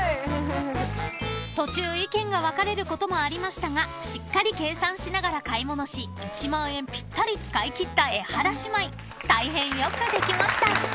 ［途中意見が分かれることもありましたがしっかり計算しながら買い物し１万円ぴったり使い切ったエハラ姉妹］